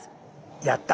やった。